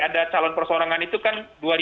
ada calon persorangan itu kan dua ribu delapan